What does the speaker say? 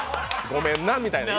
ごめんな、みたいな。